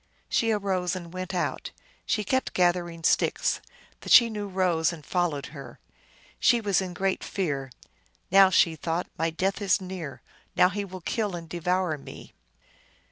She arose and went out. She kept gathering sticks. The Chenoo rose and followed her. She was in great fear. " Now," she thought, " my death is near ; now he will kill and devour me."